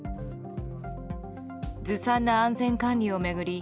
ずさんな安全管理を巡り